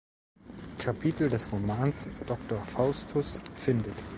Kapitel des Romans "Doktor Faustus" findet.